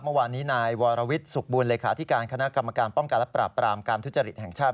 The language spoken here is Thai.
เมื่อวานนี้นายวรวิทย์สุขบุญเลขาธิการคณะกรรมการป้องกันและปราบปรามการทุจริตแห่งชาติ